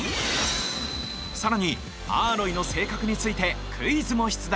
更にアーロイの性格についてクイズも出題！